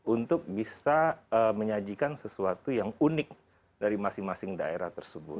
untuk bisa menyajikan sesuatu yang unik dari masing masing daerah tersebut